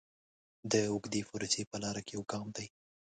د اوږدې پروسې په لاره کې یو ګام دی.